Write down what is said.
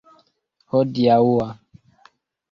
hodiaŭa